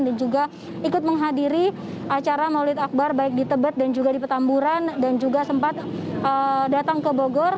dan juga ikut menghadiri acara maulid akbar baik di tebet dan juga di petamburan dan juga sempat datang ke bogor